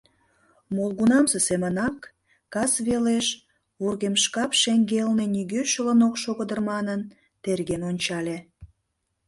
Молгунамсе семынак кас велеш вургемшкап шеҥгелне нигӧ шылын ок шого дыр манын терген ончале.